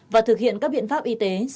và thực hiện các biện pháp y tế